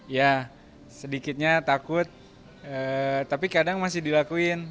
ya sedikitnya takut tapi kadang masih dilakuin